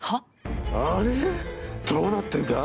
どうなってんだ？